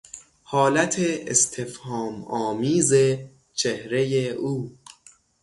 حالت استفهام آمیز چهرهی او